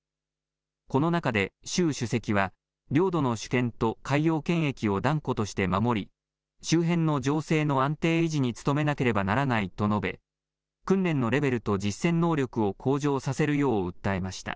この中で習主席は領土の主権と海洋権益を断固として守り周辺の情勢の安定維持に努めなければならないと述べ訓練のレベルと実戦能力を向上させるよう訴えました。